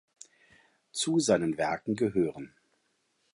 Zu seinen Werken gehören